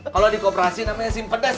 kalo di kooperasi namanya simpedes